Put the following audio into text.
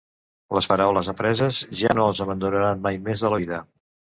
Les paraules apreses ja no els abandonaran mai més de la vida.